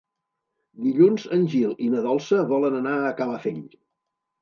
Dilluns en Gil i na Dolça volen anar a Calafell.